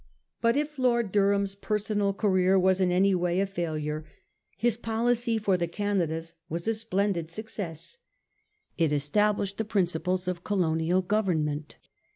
But if Lord Durham's personal career was in any way a failure, his policy for the Canadas was a splendid success. It established the principles of colonial government.